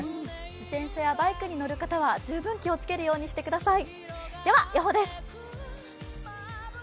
自転車やバイクに乗る方は、十分気をつけてください。